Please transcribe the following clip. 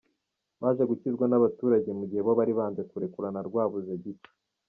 Baje gukizwa n’abaturage mugihe bo bari banze kurekurana rwabuze gica.